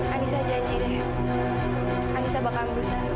anissa janji deh anissa bakal berusaha